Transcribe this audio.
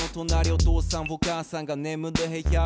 「お父さんお母さんがねむる部屋」